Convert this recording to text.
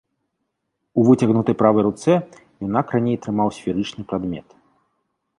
У выцягнутай правай руцэ юнак раней трымаў сферычны прадмет.